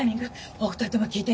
お二人とも聞いて。